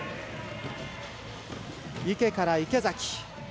池から池崎。